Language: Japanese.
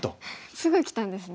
すぐきたんですね。